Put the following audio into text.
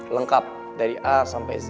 lengkap dari a sampai z